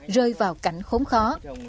rơi vào cảnh khốn khó